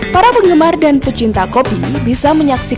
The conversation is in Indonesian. para penggemar dan pecinta kopi bisa menyaksikan